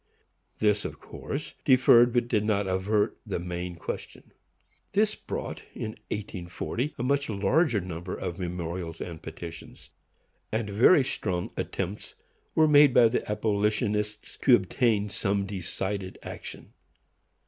This of course deferred, but did not avert, the main question. This brought, in 1840, a much larger number of memorials and petitions; and very strong attempts were made by the abolitionists to obtain some decided action.